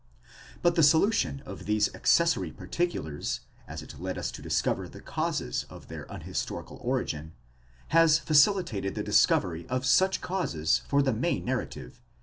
But the solution of these accessory particulars, as it led us to discover the causes of their unhistorical origin, has facilitated the discovery of such causes for the main narrative, and has thereby 20 Homil.